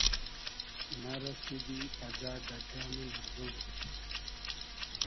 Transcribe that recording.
نۂ رئسیدی اگۂ دۂ گئمی مئردوم